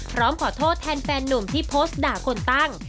พร้อมขอโทษแทนแฟนนุ่มที่โพสต์ด่าคนตั้ง